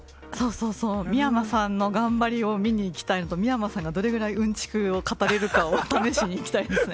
そうそう、見山さんの頑張りを見に行きたいのと、見山さんがどれぐらいうんちくを語れるかを試しに行きたいですね。